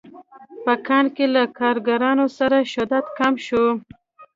په کان کې له کارګرانو سره شدت کم شو